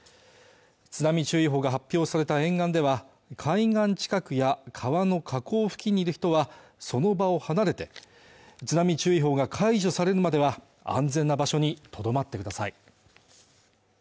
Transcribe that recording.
津波注意報が発表された沿岸では海岸近くや川の河口付近にいる人はその場を離れて津波注意報が解除されるまでは安全な場所にとどまってください